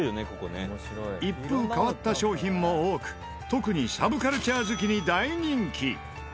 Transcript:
一風変わった商品も多く特にサブカルチャー好きに大人気！